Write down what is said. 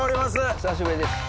お久しぶりです。